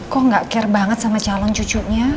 kok gak care banget sama calon cucunya